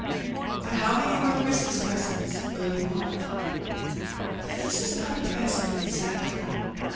''But how many more Christmas presents will you want?" "But this is not a present exactly."